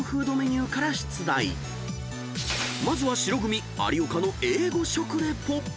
［まずは白組有岡の英語食レポ］